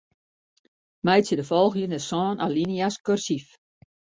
Meitsje de folgjende sân alinea's kursyf.